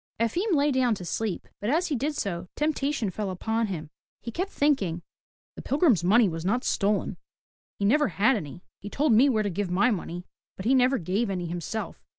Efim lay down to sleep, but as he did so temptation fell upon him. He kept thinking, The pilgrim's money was not stolen. He never had any. He told me where to give my money, but he never gave any himself.